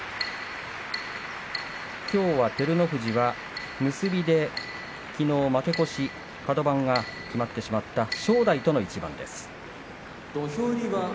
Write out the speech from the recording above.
きょうは照ノ富士は結びできのう負け越しカド番が決まってしまった正代との一番です。